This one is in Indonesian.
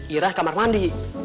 ira di kamar mandi